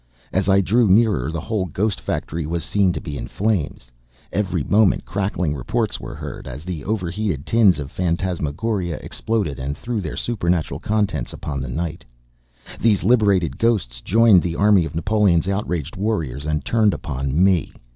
As I drew nearer, the whole ghost factory was seen to be in flames; every moment crackling reports were heard, as the over heated tins of phantasmagoria exploded and threw their supernatural contents upon the night. These liberated ghosts joined the army of Napoleon's outraged warriors, and turned upon me.